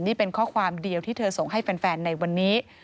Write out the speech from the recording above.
นี่เป็นข้อความเดียวที่เธอส่งให้แฟนในวันนี้